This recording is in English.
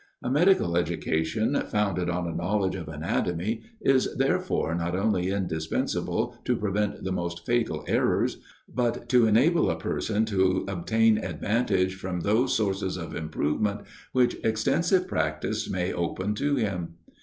A medical education, founded on a knowledge of anatomy, is, therefore, not only indispensable to prevent the most fatal errors, but to enable a person to obtain advantage from those sources of improvement which extensive practice may open to him.